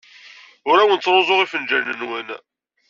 Ur awen-ttruẓuɣ ifenjalen-nwen.